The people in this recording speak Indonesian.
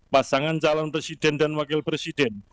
pasangan calon presiden dan wakil presiden